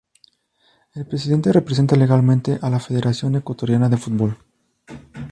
El presidente representa legalmente a la Federación Ecuatoriana de Fútbol.